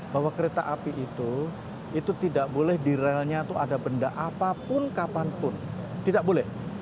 bahwa kereta api itu itu tidak boleh di relnya itu ada benda apapun kapanpun tidak boleh